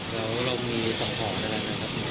แล้วเรามีสั่งถอนอะไรไหมครับ